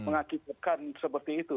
mengkitekan seperti itu